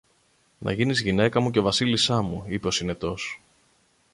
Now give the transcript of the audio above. Να γίνεις γυναίκα μου και Βασίλισσά μου, είπε ο Συνετός.